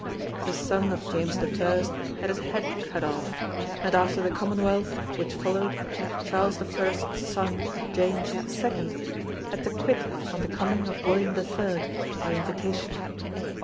The son of James I had his head cut off, and after the Commonwealth which followed, Charles I's son James II, had to quit on the coming of William III, by invitation.